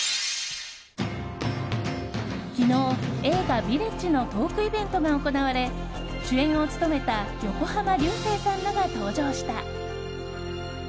昨日、映画「ヴィレッジ」のトークイベントが行われ主演を務めた横浜流星さんらが登場した。